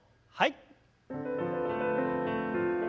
はい。